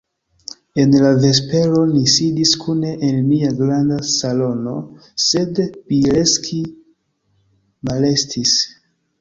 En la vespero ni sidis kune en nia granda salono, sed Bjelski malestis.